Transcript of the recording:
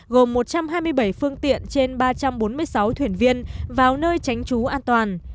gồm một trăm hai mươi bảy phương tiện trên ba trăm bốn mươi sáu thuyền viên vào nơi tránh trú an toàn